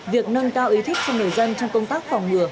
việc nâng cao ý thức cho người dân trong công tác phòng ngừa